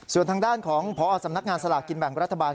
ส่วนทางด้านของพอสำนักงานสลากกินแบ่งรัฐบาล